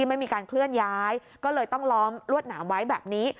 ไม่มีการเคลื่อนย้ายก็เลยต้องล้อมลวดหนามไว้แบบนี้